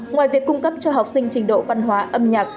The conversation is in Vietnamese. ngoài việc cung cấp cho học sinh trình độ văn hóa âm nhạc